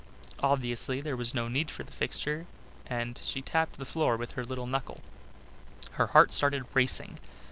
Obviously there was no need for the fixture and, she tapped the floor with her little knuckle. Her heart started racing.